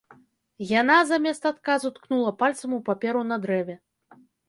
Яна, замест адказу, ткнула пальцам у паперу на дрэве.